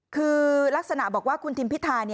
คือลักษณะบอกว่าคุณทิมพิธา